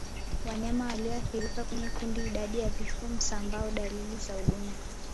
wanyama walioathirika kwenye kundi idadi ya vifo msambao dalili za ugonjwa